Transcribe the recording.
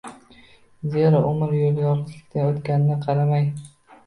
Zero, umr yo‘li yolg‘izlikda o‘tganiga qaramay